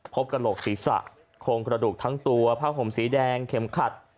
กระโหลกศีรษะโครงกระดูกทั้งตัวผ้าห่มสีแดงเข็มขัด